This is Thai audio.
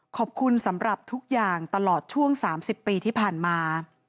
ขอบคุณสำหรับทุกอย่างตลอดช่วง๓๐ปีที่ผ่านมา